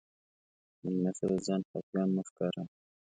مېلمه ته د ځان خفګان مه ښکاروه.